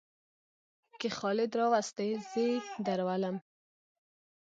کې خالد راوستى؛ زې درولم.